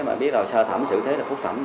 mà biết là sơ thẩm xử thế là phúc thẩm